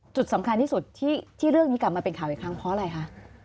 จุดสำคัญที่สุดที่เรื่องนี้กลับมาเป็นข่าวอีกครั้งเพราะอะไรคะ